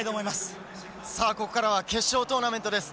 さあここからは決勝トーナメントです。